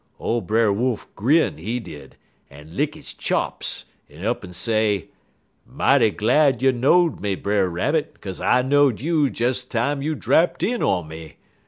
"Ole Brer Wolf grin, he did, en lick he chops, en up'n say: "'Mighty glad you know'd me, Brer Rabbit, 'kaze I know'd you des time you drapt in on me.